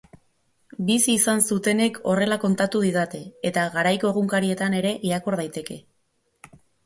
Bizi izan zutenek horrela kontatu didate eta garaiko egunkarietan ere irakur daiteke.